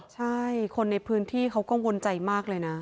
ใช่คนในพื้นที่เขากังวลใจมากเลยนะ